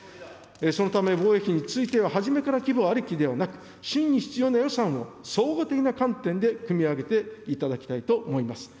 そのため防衛費についてははじめから規模ありきではなく、真に必要な予算を総合的な観点で組み上げていただきたいと思います。